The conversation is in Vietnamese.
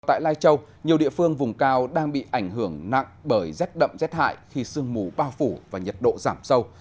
tại lai châu nhiều địa phương vùng cao đang bị ảnh hưởng nặng bởi rét đậm rét hại khi sương mù bao phủ và nhiệt độ giảm sâu